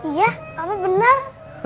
iya papa benar